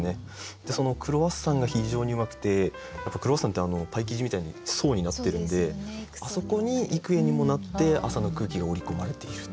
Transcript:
でその「クロワッサン」が非常にうまくてクロワッサンってパイ生地みたいに層になってるんであそこに幾重にもなって朝の空気が折り込まれている。